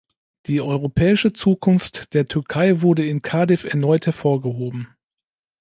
Die europäische Zukunft der Türkei wurde in Cardiff erneut hervorgehoben.